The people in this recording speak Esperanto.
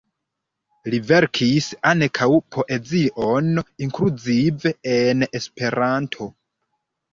Li verkis ankaŭ poezion, inkluzive en Esperanto.